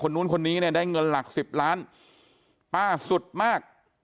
นู้นคนนี้เนี่ยได้เงินหลักสิบล้านป้าสุดมาก